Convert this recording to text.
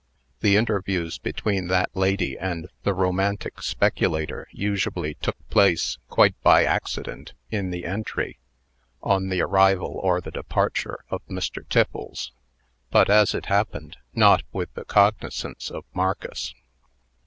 The interviews between that lady and the romantic speculator usually took place, quite by accident, in the entry, on the arrival or the departure of Mr. Tiffles; but, as it happened, not with the cognizance of Marcus.